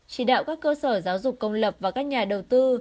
chỉ đạo các cơ sở giáo dục công lập và các nhà đầu tư